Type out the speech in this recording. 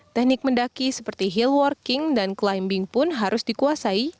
teknik mendaki seperti healtworking dan climbing pun harus dikuasai